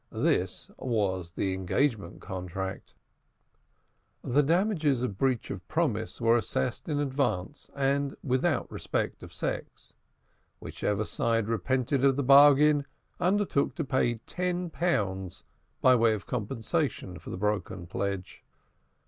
This was the engagement contract. The damages of breach of promise were assessed in advance and without respect of sex. Whichever side repented of the bargain undertook to pay ten pounds by way of compensation for the broken pledge.